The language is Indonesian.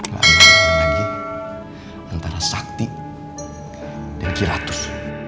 gak ada lagi antara sakti dan giratus